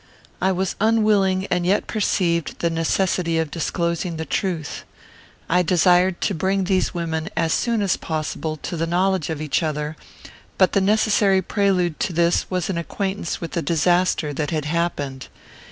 I was unwilling, and yet perceived the necessity of disclosing the truth. I desired to bring these women, as soon as possible, to the knowledge of each other, but the necessary prelude to this was an acquaintance with the disaster that had happened.